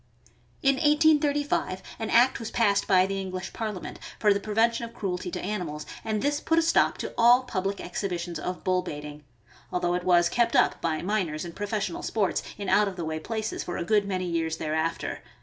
In 1835 an act was passed by the English Parliament for the prevention of cruelty to animals, and this put a stop to all public exhibitions of bull baiting, although it was kept up by miners and professional sports, in out of the way places, for a good many years thereafter.